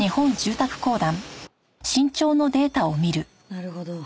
なるほど。